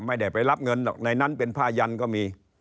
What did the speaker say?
ไม่ได้ไปรับเงินหรอก